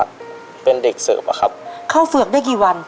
เข้าเฝือกได้กี่วัน